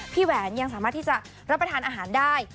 แหวนยังสามารถที่จะรับประทานอาหารได้